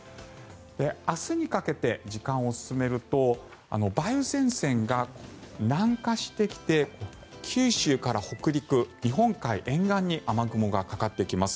明日にかけて時間を進めると梅雨前線が南下してきて九州から北陸、日本海沿岸に雨雲がかかってきます。